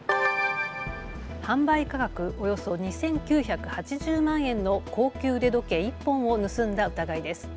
販売価格およそ２９８０万円の高級腕時計１本を盗んだ疑いです。